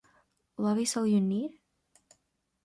Love Is All You Need?